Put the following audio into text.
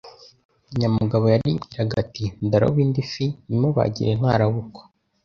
Nyamugabo yaribwiraga ati ndaroba indi fi nyimubagire ntarabukwa.